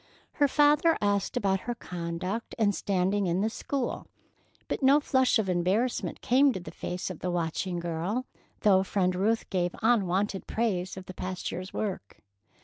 Her father asked about her conduct and standing in the school, but no flush of embarrassment came to the face of the watching girl, though Friend Ruth gave unwonted praise of the past year's work.